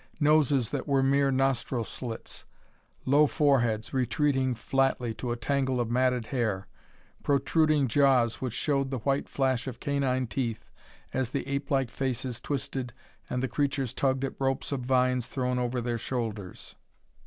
Noses that were mere nostril slits; low foreheads, retreating flatly to a tangle of matted hair; protruding jaws which showed the white flash of canine teeth as the ape like faces twisted and the creatures tugged at ropes of vines thrown over their shoulders.